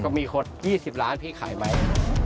ก็มีคน๒๐ล้านพี่ขายไหม